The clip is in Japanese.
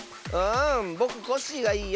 ん「ぼくコッシー」がいいよ。